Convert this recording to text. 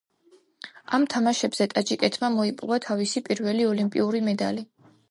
ამ თამაშებზე ტაჯიკეთმა მოიპოვა თავისი პირველი ოლიმპიური მედალი.